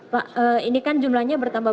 pak ini kan jumlahnya bertambah pak